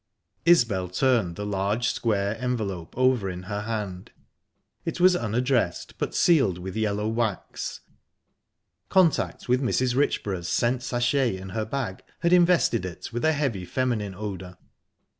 Isbel turned the large, square envelope over in her hand; it was unaddressed, but sealed with yellow wax. Contact with Mrs. Richborough's scent sachet in her bag had invested it with a heavy feminine odour.